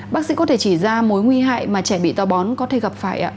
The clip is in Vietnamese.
bác sĩ có thể chỉ ra mối nguy hại mà trẻ bị tàu bón có thể gặp phải ạ